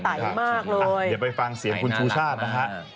เดี๋ยวไปฟังเสียงคุณชูชาตินะครับ